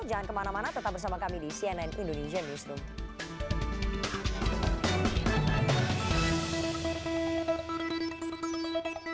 jangan kemana mana tetap bersama kami di cnn indonesian newsroom